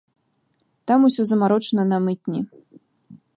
Там усё замарочана на мытні.